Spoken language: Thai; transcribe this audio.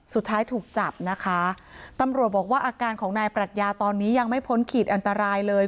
สุดท้ายถูกจับนะคะตำรวจบอกว่าอาการของนายปรัชญาตอนนี้ยังไม่พ้นขีดอันตรายเลย